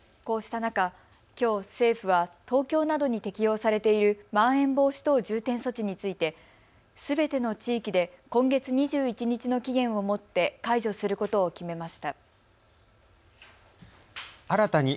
こうした中、きょう政府は東京などに適用されているまん延防止等重点措置についてすべての地域で今月２１日の期限をもって解除することを決めました。